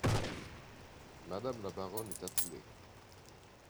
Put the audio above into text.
Madame la baronne est attelée !…